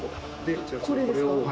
これですか？